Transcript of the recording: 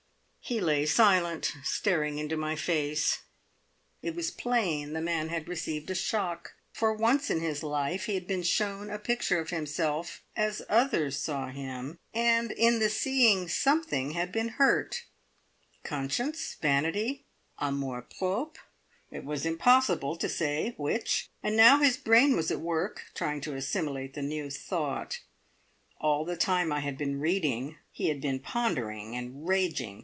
He lay silent, staring into my face. It was plain that the man had received a shock. For once in his life he had been shown a picture of himself as others saw him, and in the seeing something had been hurt conscience, vanity, amour propre it was impossible to say which, and now his brain was at work, trying to assimilate the new thought. All the time I had been reading, he had been pondering and raging.